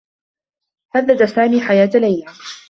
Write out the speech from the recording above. هدّد سامي حياة ليلى.